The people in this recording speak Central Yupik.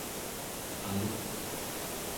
alek